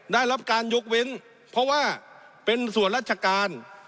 ได้รับการยกเว้นเพราะว่าเป็นส่วนราชการ